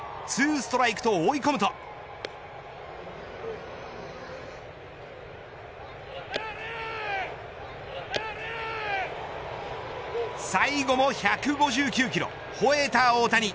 ２ストライクと追い込むと最後も１５９キロ吠えた大谷。